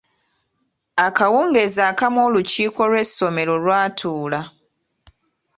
Akawungeezi akamu olukiiko lw'essomero lwatuula.